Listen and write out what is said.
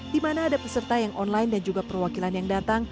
di mana ada peserta yang online dan juga perwakilan yang datang